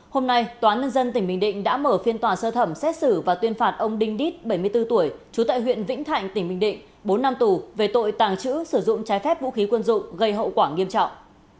hôm nay tòa nhân dân tỉnh bình định đã mở phiên tòa sơ thẩm xét xử và tuyên phạt ông đinh đít bảy mươi bốn tuổi trú tại huyện vĩnh thạnh tỉnh bình định bốn năm tù về tội tàng trữ sử dụng trái phép vũ khí quân dụng gây hậu quả nghiêm trọng